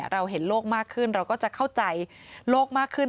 เราเห็นโลกมากขึ้นเราก็จะเข้าใจโลกมากขึ้น